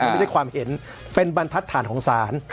ไม่ใช่ความเห็นเป็นบรรทัศนของศาล